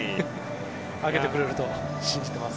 上げてくれると信じています。